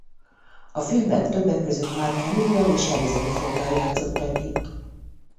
A filmben többek között Mark Hamill-lel és Harrison Forddal játszott együtt.